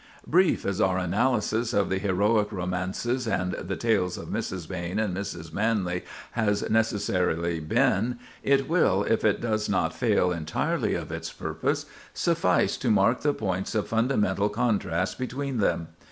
Brief as our analysis of the heroic romances and the tales of Mrs. Behn and Mrs. Manley has necessarily been, it will, if it does not fail entirely of its purpose, suffice to mark the points of fundamental contrast between them.